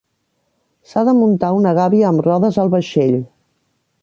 S'ha de muntar una gàbia amb rodes al vaixell.